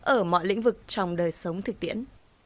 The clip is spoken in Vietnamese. ở mọi lĩnh vực trong đời sống thực tiễn